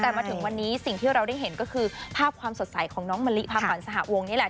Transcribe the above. แต่มาถึงวันนี้สิ่งที่เราได้เห็นก็คือภาพความสดใสของน้องมะลิพาขวัญสหวงนี่แหละ